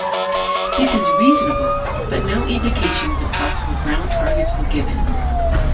This was reasonable, but no indications of possible ground targets were given.